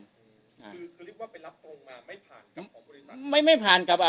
คือเรียกว่าไปลับตรงมาไม่ผ่านกับบริษัท